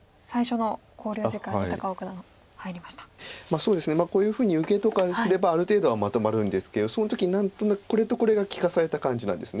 そうですねこういうふうに受けとかにすればある程度はまとまるんですけどその時に何となくこれとこれが利かされた感じなんです。